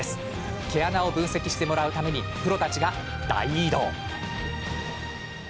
毛穴を分析してもらうためにプロたちが大移動。